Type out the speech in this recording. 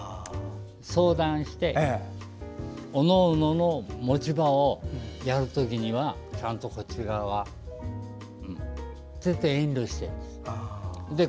相談しておのおのの持ち場をやるときにはちゃんと、こっち側やってればいいんですよ。